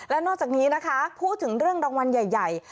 และนอกจากนี้นะคะพูดถึงเรื่องรางวัลใหญ่